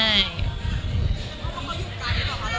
มันคิดว่าจะเป็นรายการหรือไม่มี